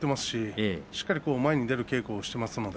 しっかりと前に出る稽古もしています。